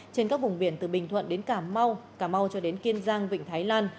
trên các vùng biển từ bình thuận đến cà mau cà mau cho đến kiên giang vịnh thái lan